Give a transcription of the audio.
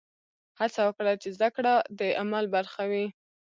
هڅه وکړه چې زده کړه د عمل برخه وي.